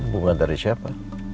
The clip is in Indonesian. bunga dari siapa